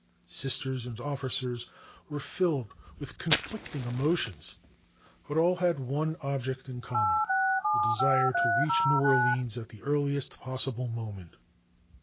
Sisters and officers were filled with conflicting emotions, but all had one object in common the desire to reach New Orleans at the earliest possible moment.